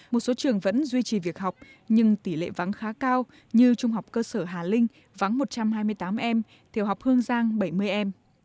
một số trường vẫn duy trì việc học nhưng tỷ lệ vắng khá cao như trung học cơ sở hà linh vắng một trăm hai mươi tám em tiểu học hương giang bảy mươi em